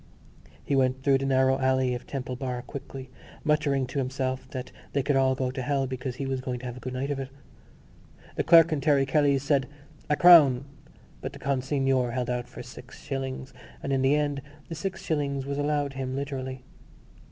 He went through the narrow alley of Temple Bar quickly, muttering to himself that they could all go to hell because he was going to have a good night of it. The clerk in Terry Kelly's said A crown! but the consignor held out for six shillings; and in the end the six shillings was allowed him literally.